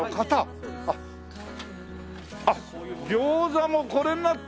あっ餃子もこれになってるんだ。